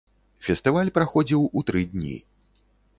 Фестываль праходзіў у тры дні.